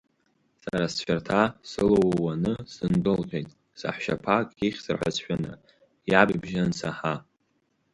Сара сцәарҭа сылыууааны сындәылҟьеит, саҳәшьаԥа ак ихьзар ҳәа сшәаны, иаб ибжьы ансаҳа.